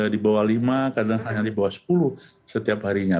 di bawah lima kadang kadang di bawah sepuluh setiap harinya